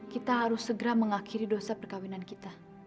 kita harus segera mengakhiri dosa perkawinan kita